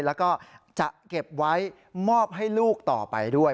แล้วก็จะเก็บไว้มอบให้ลูกต่อไปด้วย